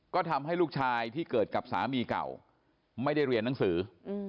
ก็ทำให้ลูกชายที่เกิดกับสามีเก่าไม่ได้เรียนหนังสือ